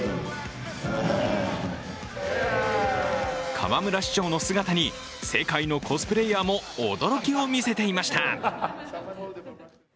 河村市長の姿に世界のコスプレーヤーも驚きを見せていました。